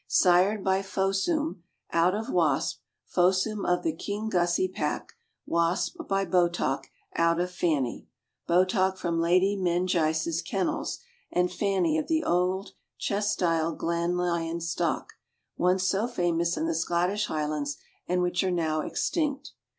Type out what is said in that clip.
Sired by Fosoum, out of Wasp; Fosoum of the Kingussie pack, Wasp by Botach, out of Fanny. Botach from Lady Mengiess' kennels, and Fanny of the old Chestille Glen lyon stock, once so famous in the Scottish Highlands, and which are now extinct.